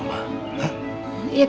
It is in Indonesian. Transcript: ya kasihan mas